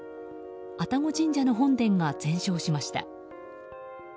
愛宕神社の本殿が全焼しました。